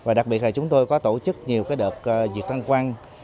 và đặc biệt là chúng tôi có tổ chức nhiều cái đợt diệt tăng quan